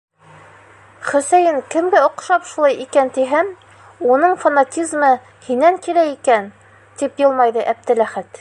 Хөсәйен кемгә оҡшап шулай икән тиһәм, уның фанатизмы һинән килә икән! — тип йылмайҙы Әптеләхәт.